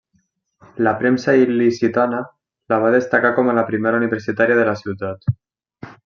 La premsa il·licitana la va destacar com a la primera universitària de la ciutat.